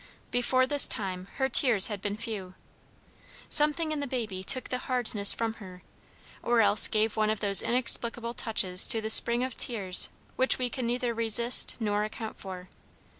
Before this time her tears had been few; something in the baby took the hardness from her, or else gave one of those inexplicable touches to the spring of tears which we can neither resist nor account for.